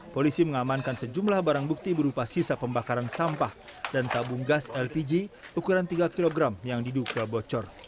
polisi mengamankan sejumlah barang bukti berupa sisa pembakaran sampah dan tabung gas lpg ukuran tiga kg yang diduga bocor